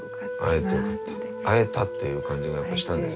会えたっていう感じがやっぱしたんですね。